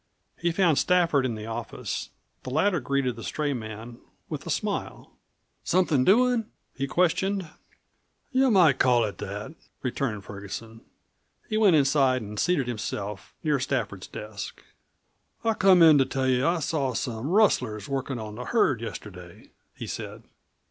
He found Stafford in the office. The latter greeted the stray man with a smile. "Somethin' doin'?" he questioned. "You might call it that," returned Ferguson. He went inside and seated himself near Stafford's desk. "I've come in to tell you that I saw some rustlers workin' on the herd yesterday," he said.